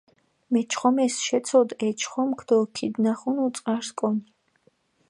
მეჩხომეს შეცოდჷ ე ჩხომქ დო ქიდნახუნუ წყარს კონი.